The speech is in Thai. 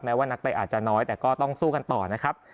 ว่านักเตะอาจจะน้อยแต่ก็ต้องสู้กันต่อนะครับ